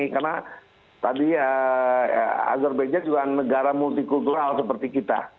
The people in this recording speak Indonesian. karena tadi ya azerbaijan juga negara multi kultural seperti kita